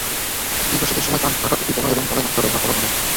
তীব্র শীতের সময় কান-ঢাকা টুপি পরা এবং গলায় মাফলার ব্যবহার করা ভালো।